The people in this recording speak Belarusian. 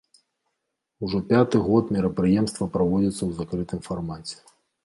Ужо пяты год мерапрыемства праводзіцца ў закрытым фармаце.